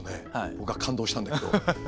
僕は感動したんだけど。